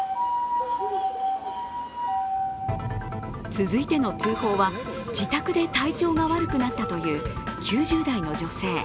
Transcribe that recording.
続いての通報は自宅で体調が悪くなったという９０代の女性。